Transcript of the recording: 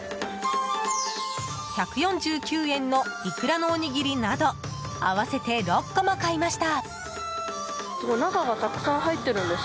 １４９円のイクラのおにぎりなど合わせて６個も買いました。